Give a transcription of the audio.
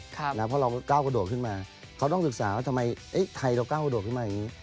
เพราะเราก้าวกระโดดขึ้นมาเขาต้องศึกษาว่าทำไมไทยเราก้าวกระโดดขึ้นมาอย่างนี้